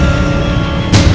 aku akan menang